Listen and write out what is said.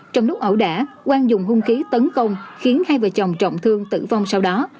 trong lúc ẩu đả quang dùng hung khí tấn công khiến hai vợ chồng trọng thương tử vong sau đó